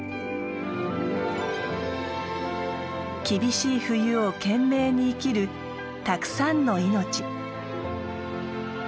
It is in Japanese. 厳しい冬を懸命に生きるたくさんの命。